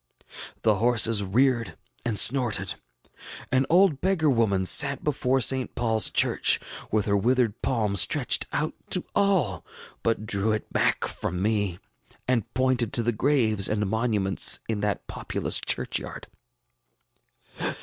The horses reared and snorted. An old beggar woman sat before St. PaulŌĆÖs Church, with her withered palm stretched out to all, but drew it back from me, and pointed to the graves and monuments in that populous churchyard.